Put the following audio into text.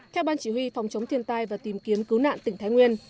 theo ban chỉ huy phòng chống thiên tai và tìm kiếm cứu nạn tỉnh thái nguyên